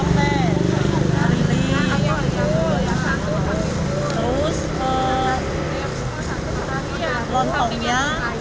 terus ke lontongnya